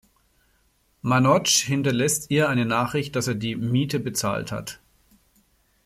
Manoj hinterlässt ihr eine Nachricht, dass er die Miete bezahlt hat.